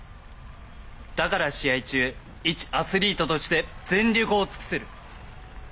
だから試合中一アスリートとして全力を尽くせる。